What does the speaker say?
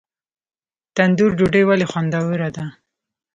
تندور ډوډۍ ولې خوندوره ده؟